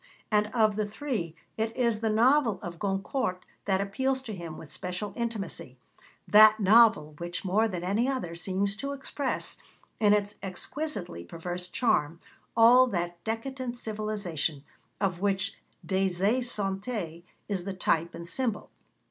And of the three it is the novel of Goncourt that appeals to him with special intimacy that novel which, more than any other, seems to express, in its exquisitely perverse charm, all that decadent civilisation of which Des Esseintes is the type and symbol.